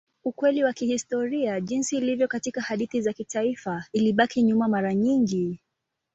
Ukweli wa kihistoria jinsi ilivyo katika hadithi za kitaifa ilibaki nyuma mara nyingi.